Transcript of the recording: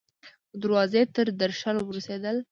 د دروازې تر درشل ورسیدل